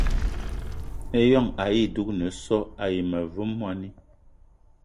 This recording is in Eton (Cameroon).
Ijon ayì dúgne so àyi ma ve mwani